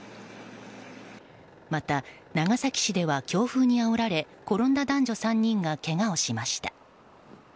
また、長崎市では強風にあおられ転んだ男女３人がけがをしました。